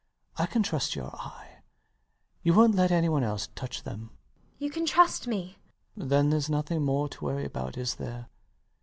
I can trust your eye. You wont let anyone else touch them. MRS DUBEDAT. You can trust me. LOUIS. Then theres nothing more to worry about, is there?